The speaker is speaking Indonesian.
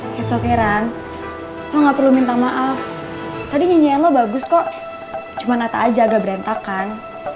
it's okay ran lo gak perlu minta maaf tadi nyanyian lo bagus kok cuma ata aja agak berantakan